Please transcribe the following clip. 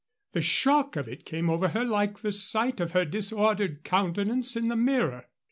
The shock of it came over her like the sight of her disordered countenance in the mirror.